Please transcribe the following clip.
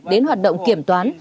đến hoạt động kiểm toán